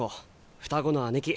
双子の姉貴。